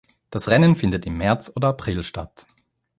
Das Rennen findet im März oder April statt.